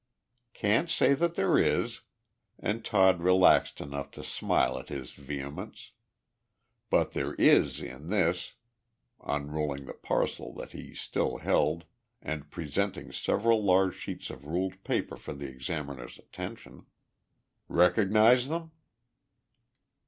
"Can't say that there is," and Todd relaxed enough to smile at his vehemence. "But there is in this," unrolling the parcel that he still held and presenting several large sheets of ruled paper for the examiner's attention. "Recognise them?"